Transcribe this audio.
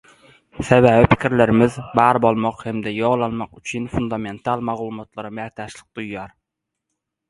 Sebäbi pikirlerimiz, bar bolmak hem-de ýol almak üçin fundamental maglumata mätäçlik duýýar.